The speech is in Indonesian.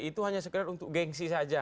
itu hanya sekedar untuk gengsi saja